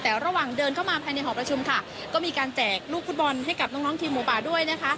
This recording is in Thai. แต่ระหว่างเดินเข้ามาภายในหอประชุมค่ะก็มีการแจกลูกฟุตบอลให้กับน้องทีมหมูป่าด้วยนะคะ